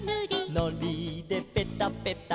「のりでペタペタ」